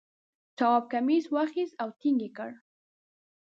تواب کمیس واخیست او ټینګ یې کړ.